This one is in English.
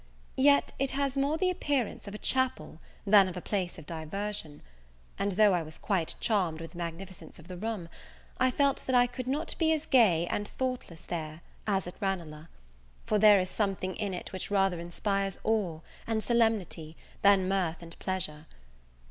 Yet it has more the appearance of a chapel than of a place of diversion; and, though I was quite charmed with the magnificence of the room, I felt that I could not be as gay and thoughtless there as at Ranelagh; for there is something in it which rather inspires awe and solemnity, than mirth and pleasure.